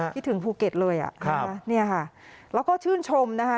คิดถึงภูเก็ตเลยอ่ะนะคะเนี่ยค่ะแล้วก็ชื่นชมนะคะ